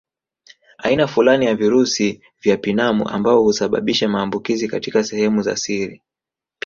Aina fulani ya virusi vya pinamu ambao husababisha maambukizi katika sehemu za siri